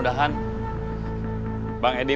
asalkan tepat keb dentist